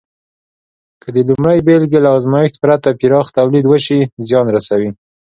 که د لومړۍ بېلګې له ازمېښت پرته پراخ تولید وشي، زیان رسوي.